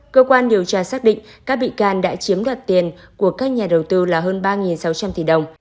cơ quan điều tra xác định các bị can đã chiếm đoạt tiền của các nhà đầu tư là hơn ba sáu trăm linh tỷ đồng